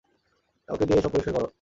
কাউকে দিয়ে এসব পরিষ্কার কর।